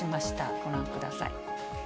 ご覧ください。